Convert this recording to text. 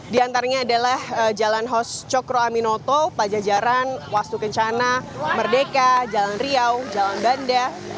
di antaranya adalah jalan hos cokro aminoto pajajaran wastu kencana merdeka jalan riau jalan banda